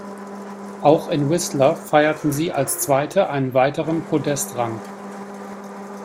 Auch in Whistler feierten sie als Zweite einen weiteren Podestrang.